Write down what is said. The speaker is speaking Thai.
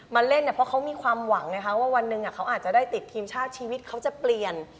เล่นเนี่ยเพราะเขามีความหวังไงคะว่าวันหนึ่งเขาอาจจะได้ติดทีมชาติชีวิตเขาจะเปลี่ยน